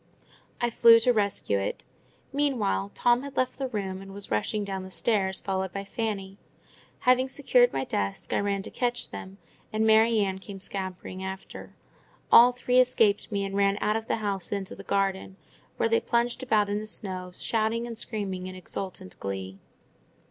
I flew to rescue it. Meanwhile Tom had left the room, and was rushing down the stairs, followed by Fanny. Having secured my desk, I ran to catch them, and Mary Ann came scampering after. All three escaped me, and ran out of the house into the garden, where they plunged about in the snow, shouting and screaming in exultant glee.